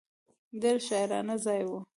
ډېر شاعرانه ځای و.